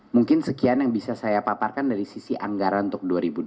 mungkin sekian yang bisa saya paparkan dari sisi anggaran untuk dua ribu dua puluh